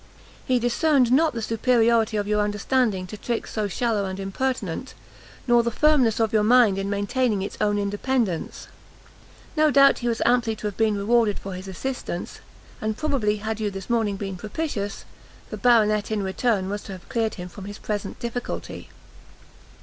He discerned not the superiority of your understanding to tricks so shallow and impertinent, nor the firmness of your mind in maintaining its own independence. No doubt but he was amply to have been rewarded for his assistance, and probably had you this morning been propitious, the Baronet in return was to have cleared him from his present difficulty."